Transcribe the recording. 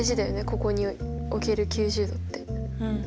ここにおける９０°って。うん。